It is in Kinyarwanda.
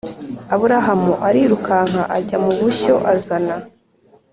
Aburahamu arirukanka ajya mu bushyo azana